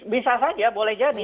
bisa saja boleh jadi